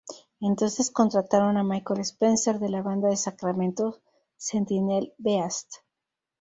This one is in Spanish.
Entonces contrataron a Michael Spencer de la banda de Sacramento "Sentinel Beast".